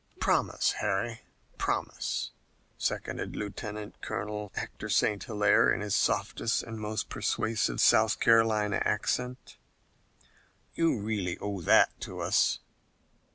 "Promise, Harry, promise!" seconded Lieutenant Colonel Hector St. Hilaire in his softest and most persuasive South Carolina accent. "You really owe that to us."